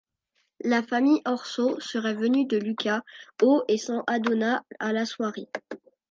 La famille Orso serait venue de Lucca au et s'en adonna à la soierie.